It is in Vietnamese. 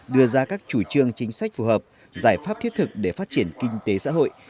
đưa ra các chủ trương chính sách phù hợp giải pháp thiết thực để phát triển kinh tế xã hội